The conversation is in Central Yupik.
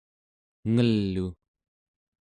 ngel'u